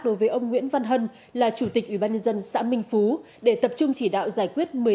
đối với ông nguyễn văn hân là chủ tịch ubnd xã minh phú để tập trung chỉ đạo giải quyết